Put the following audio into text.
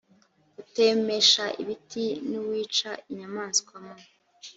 utemesha ibiti n uwica inyamaswa mu